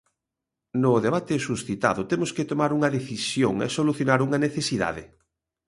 No debate suscitado, temos que tomar unha decisión e solucionar unha necesidade.